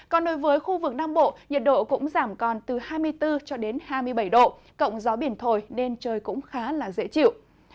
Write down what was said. còn đối với khu vực nam bộ nhiệt độ cũng giảm còn từ hai mươi bốn cho đến hai mươi bảy độ cộng gió biển thổi nên trời cũng khá dễ chịu